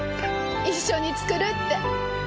一緒に作るって。